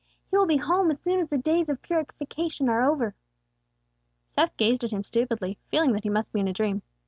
He will be home as soon as the days of purification are over." Seth gazed at him stupidly, feeling that he must be in a dream.